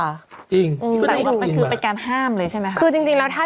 แต่ว่าคือไปการห้ามเลยใช่มั้ยค่ะ